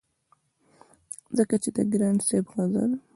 ځکه چې د ګران صاحب غزل